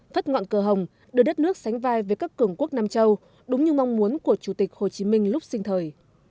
phất ngọn cờ hồng đưa đất nước sánh vai với các cường quốc nam châu đúng như mong muốn của chủ tịch hồ chí minh lúc sinh thời